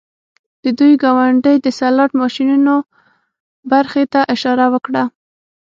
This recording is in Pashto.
د دوی ګاونډۍ د سلاټ ماشینونو برخې ته اشاره وکړه